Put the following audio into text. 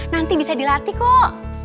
nanti bisa dilatih kok